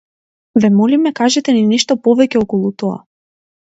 Ве молиме кажете ни нешто повеќе околу тоа.